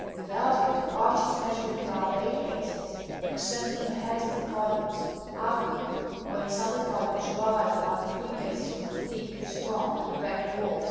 Without it, arches measuring about eight paces extend from the heads of the columns outward, whence other columns rise about three paces from the thick, strong, and erect wall.